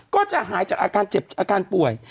ก็จะหายจากอาการเจ็บอาการป่วย